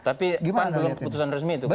tapi pan belum keputusan resmi itu kan